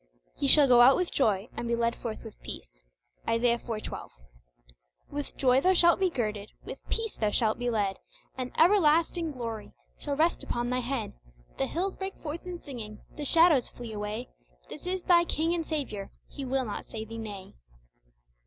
"Ye shall go out with joy and be led forth with peace." Is. IV. 12. With joy thou shalt be girded, With peace thou shalt be led; And everlasting glory shall rest upon thy head; The hills break forth in singing; the shadows flee away: This is thy King and Saviour He will not say thee "Nay!"